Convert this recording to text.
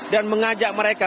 dan mengajak mereka